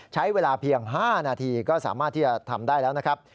ใช้เวลาเพียง๕นาทีก็สามารถที่จะทำได้แล้วนะครับ